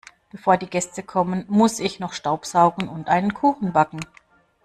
Bevor die Gäste kommen, muss ich noch staubsaugen und einen Kuchen backen.